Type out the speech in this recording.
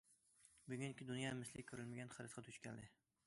بۈگۈنكى دۇنيا مىسلى كۆرۈلمىگەن خىرىسقا دۇچ كەلدى.